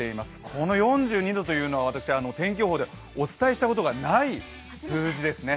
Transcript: この４２度というのは、私、天気予報ではお伝えしたことがない数字ですね。